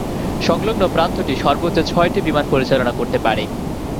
সংলগ্ন প্রান্তটি সর্বোচ্চ ছয়টি বিমান পরিচালনা করতে পারে।